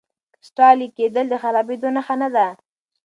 کرسټالي کېدل د خرابېدو نښه نه ده.